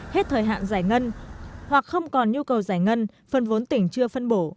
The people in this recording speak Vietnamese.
hết thời hạn giải ngân hoặc không còn nhu cầu giải ngân phần vốn tỉnh chưa phân bổ